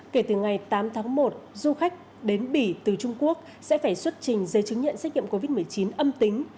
kể từ ngày tám tháng một du khách đến bỉ từ trung quốc sẽ phải xuất trình giấy chứng nhận xét nghiệm covid một mươi chín âm tính